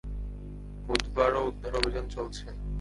বুধবারও উদ্ধার অভিযান চলছে।